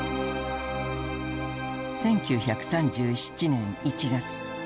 １９３７年１月。